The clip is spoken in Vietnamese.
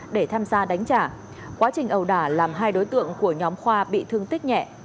để tham gia đánh trả quá trình ẩu đả làm hai đối tượng của nhóm khoa bị thương tích nhẹ